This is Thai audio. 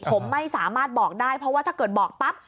ผมไม่สามารถบอกได้เพราะว่าถ้าเกิดบอกปั๊บ